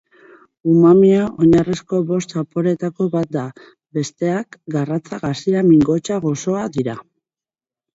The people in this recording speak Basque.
Umamia oinarrizko bost zaporeetako bat da, besteak garratza, gazia, mingotsa, gozoa dira.